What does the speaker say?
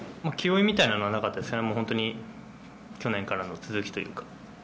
気負いみたいなのはなかったですね、もう本当に、去年からの続きというか。